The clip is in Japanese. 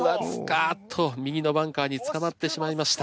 あっと右のバンカーに捕まってしまいました。